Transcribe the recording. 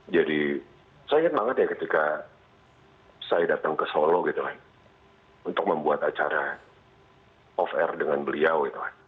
jadi saya ingat banget ketika saya datang ke solo untuk membuat acara off air dengan beliau